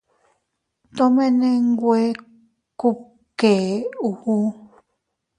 Tomene nwe kubkéʼuu.